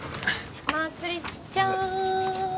まつりちゃん。